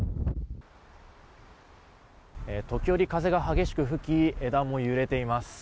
時折、風が激しく吹き枝も揺れています。